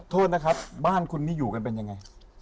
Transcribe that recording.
โทษนะครับบ้านคุณนี่อยู่กันเป็นยังไง